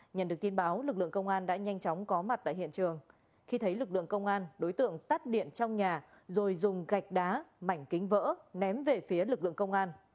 nhận được tin báo lực lượng công an đã nhanh chóng có mặt tại hiện trường khi thấy lực lượng công an đối tượng tắt điện trong nhà rồi dùng gạch đá mảnh kính vỡ ném về phía lực lượng công an